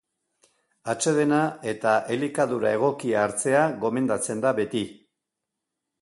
Atsedena eta elikadura egokia hartzea gomendatzen da beti.